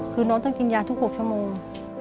คือน้องต้องกินยาทุก๖ชั่วโมง